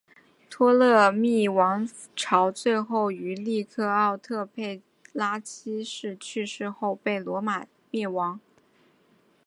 托勒密王朝最后于克丽奥佩特拉七世去世后被罗马灭亡。